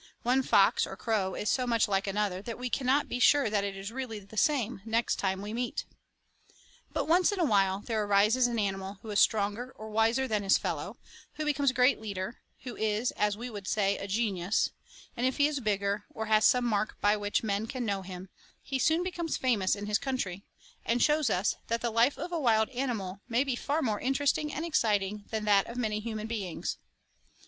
One fox or crow is so much like another that we cannot be sure that it really is the same next time we meet. But once in awhile there arises an animal who is stronger or wiser than his fellow, who becomes a great leader, who is, as we would say, a genius, and if he is bigger, or has some mark by which men can know him, he soon becomes famous in his country, and shows us that the life of a wild animal may be far more interesting and exciting than that of many human beings.